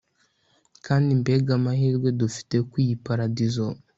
kandi mbega amahirwe dufite ko iyi paradizo